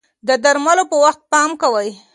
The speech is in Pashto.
د درملو په وخت پام کوئ.